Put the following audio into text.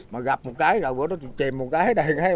mà gặp một cái rồi bữa đó chìm một cái đây